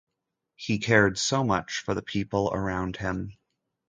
he cared so much for the people around him